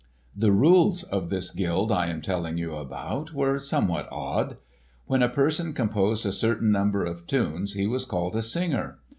The rules of this guild, I am telling you about, were somewhat odd. When a person composed a certain number of tunes he was called a singer.